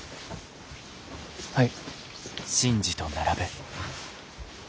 はい。